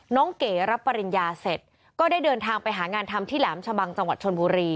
เก๋รับปริญญาเสร็จก็ได้เดินทางไปหางานทำที่แหลมชะบังจังหวัดชนบุรี